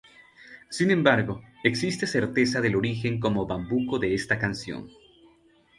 Sin embargo, existe certeza del origen como bambuco de esta canción.